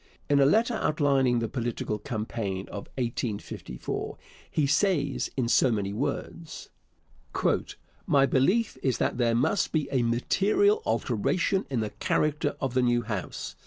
In a letter outlining the political campaign of 1854, he says in so many words: My belief is that there must be a material alteration in the character of the new House.